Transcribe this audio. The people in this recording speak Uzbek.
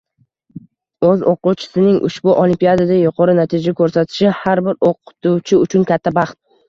Oʻz oʻquvchisining ushbu olimpiadada yuqori natija koʻrsatishi, har bir oʻqituvchi uchun katta baxt.